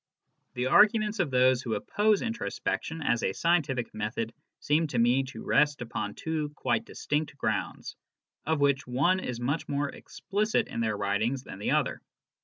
The arguments of those who oppose introspection as a scientific method seem to me to rest upon two quite distinct grounds, of which one is much more explicit in their writings than the other.